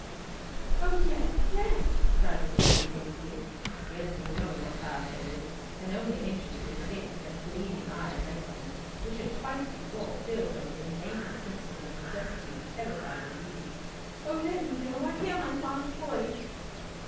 "Oh yes! yes!" cried Cicely hastily, scarcely knowing what passed her lips, and only anxious to escape from that gleaming eye of Langston, which had twice before filled her with a nameless sense of the necessity of terrified obedience. "Oh! let me go. I hear my father's voice."